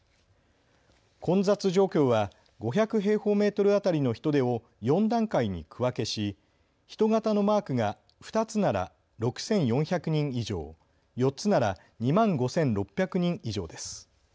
混雑状況は５００平方メートル当たりの人出を４段階に区分けし、人型のマークが２つなら６４００人以上、４つなら２万５６００人以上です。